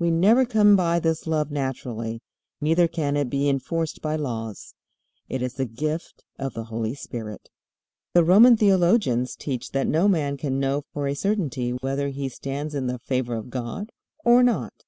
We never come by this love naturally, neither can it be enforced by laws. It is the gift of the Holy Spirit. The Roman theologians teach that no man can know for a certainty whether he stands in the favor of God or not.